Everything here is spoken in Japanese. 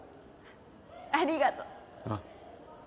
ありがとう。ああ。